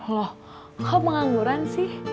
loh kok pengangguran sih